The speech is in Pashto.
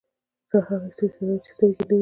زړه هغه څه احساسوي چې سترګې یې نه ویني.